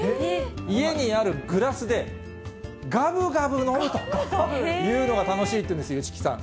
家にあるグラスで、がぶがぶ飲むというのが楽しいっていうんです、市來さん。